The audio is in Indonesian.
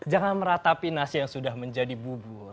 jangan meratapi nasi yang sudah menjadi bubur